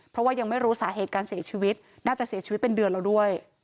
เพราะว่ายังไม่รู้สาเหตุการเสียชีวิตน่าจะเสียชีวิตเป็นเดือนแล้วด้วย